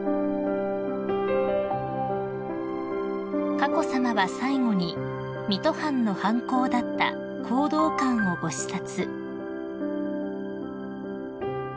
［佳子さまは最後に水戸藩の藩校だった弘道館をご視察］